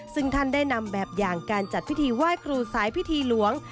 ซึ่งท่านได้นำแบบอย่างการจัดพิธีไหว้ครูสายพิธีหลวง